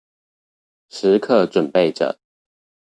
時刻準備著